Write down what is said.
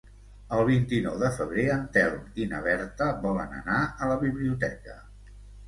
El vint-i-nou de febrer en Telm i na Berta volen anar a la biblioteca.